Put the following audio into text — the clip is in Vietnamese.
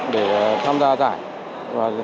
để tham gia giải